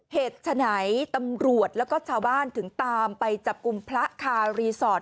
เหตุฉะไหนตำรวจแล้วก็ชาวบ้านถึงตามไปจับกลุ่มพระคารีสอร์ท